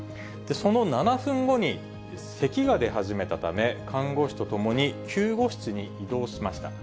その７分後にせきが出始めたため、看護師と共に救護室に移動しました。